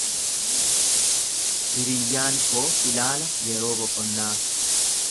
Hiriyyaan koo ilaala yeroo boqonnaa.